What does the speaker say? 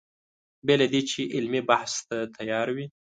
بې له دې چې علمي بحث ته تیار وي.